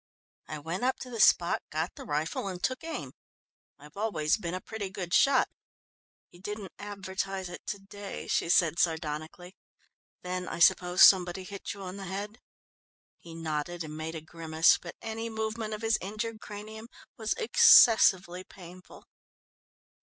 "I went up to the spot, got the rifle and took aim. I've always been a pretty good shot " "You didn't advertise it to day," she said sardonically. "Then I suppose somebody hit you on the head?" He nodded and made a grimace, but any movement of his injured cranium was excessively painful.